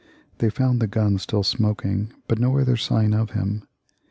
They found the gun still smoking, but no other sign of him.